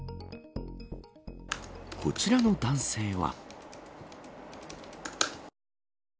こちらの男性は。